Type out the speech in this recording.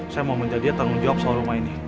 saya mau minta dia tanggung jawab soal rumah ini